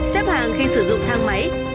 xếp hàng khi sử dụng thang máy